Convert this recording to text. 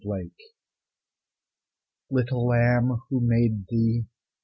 THE LAMB Little lamb, who made thee?